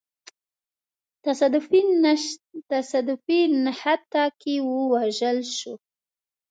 تصادفي نښته کي ووژل سو.